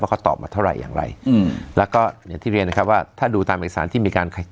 เขาตอบมาเท่าไหร่อย่างไรอืมแล้วก็อย่างที่เรียนนะครับว่าถ้าดูตามเอกสารที่มีการ